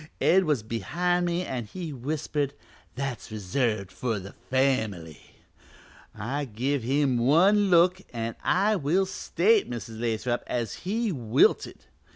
Ed was behind me an' he whispered 'That's reserved for the family.' I give him one look an' I will state, Mrs. Lathrop, as he wilted.